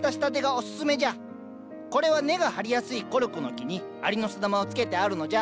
これは根が張りやすいコルクの木にアリノスダマをつけてあるのじゃ。